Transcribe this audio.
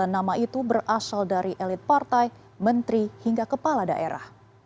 dua puluh nama itu berasal dari elit partai menteri hingga kepala daerah